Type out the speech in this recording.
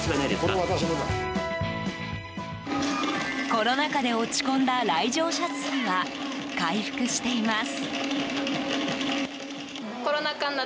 コロナ禍で落ち込んだ来場者数は回復しています。